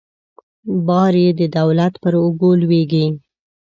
بار یې د دولت پر اوږو لویږي.